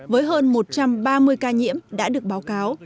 với hơn một trăm ba mươi ca nhiễm đã được báo cáo